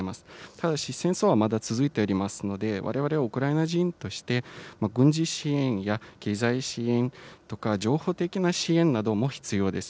ただし、戦争はまだ続いておりますので、われわれはウクライナ人として、軍事支援や経済支援とか、情報的な支援なども必要です。